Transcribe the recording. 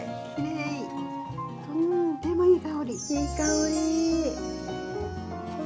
いい香り。